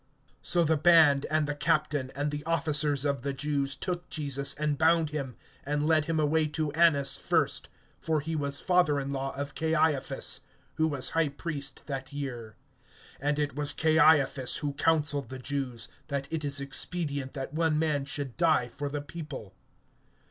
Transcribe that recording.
(12)So the band, and the captain, and the officers of the Jews, took Jesus and bound him, (13)and led him away to Annas first; for he was father in law of Caiaphas, who was high priest that year. (14)And it was Caiaphas who counseled the Jews, that it is expedient that one man should die for the people.